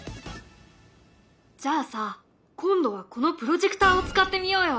じゃあさ今度はこのプロジェクターを使ってみようよ！